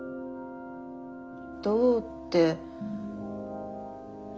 どうって。